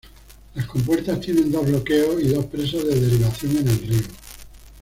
Las compuertas tienen dos bloqueos y dos presas de derivación en el río.